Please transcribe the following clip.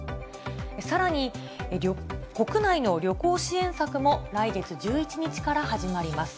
さらに、国内の旅行支援策も、来月１１日から始まります。